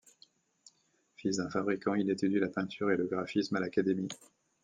Fils d'un fabricant, il étudie la peinture et le graphisme à l'académie.